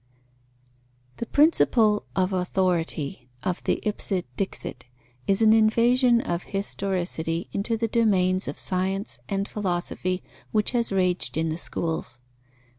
_ The principle of authority, of the ipse dixit, is an invasion of historicity into the domains of science and philosophy which has raged in the schools.